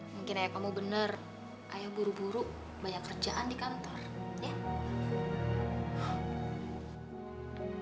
mungkin ayah kamu bener ayah buru buru banyak kerjaan di kantor